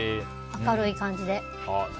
明るい感じで。